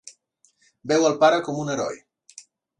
Veu al pare com un heroi.